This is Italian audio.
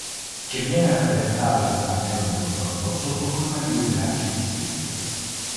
Che viene rappresentato sul pannello di controllo sottoforma di due grafici distinti.